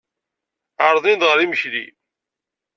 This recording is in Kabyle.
Ɛerḍen-iyi ɣer yimekli.